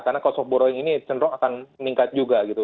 karena cost of borrowing ini cenderung akan meningkat juga gitu